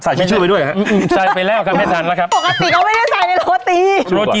ใส่ทิชชูไปด้วยอ่ะครับอืออือใส่ไปแล้วครับไม่ทันแล้วครับปกติเขาไม่ได้ใส่ในโรตี